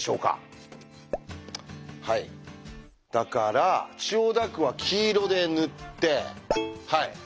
はいだから千代田区は黄色で塗って。